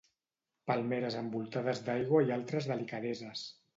Palmeres envoltades d'aigua i altres delicadeses.